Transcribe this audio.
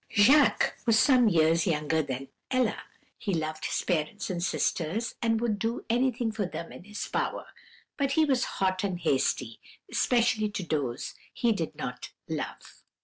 "Jacques was some years younger than Ella; he loved his parents and sisters, and would do anything for them in his power; but he was hot and hasty, especially to those he did not love.